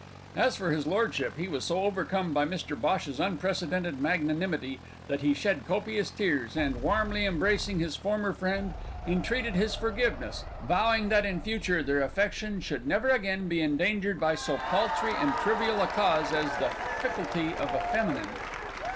As for his lordship, he was so overcome by Mr Bhosh's unprecedented magnanimity that he shed copious tears, and, warmly embracing his former friend, entreated his forgiveness, vowing that in future their affection should never again be endangered by so paltry and trivial a cause as the ficklety of a feminine.